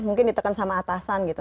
mungkin ditekan sama atasan gitu